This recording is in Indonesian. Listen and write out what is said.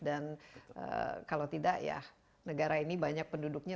dan kalau tidak ya negara ini banyak penduduknya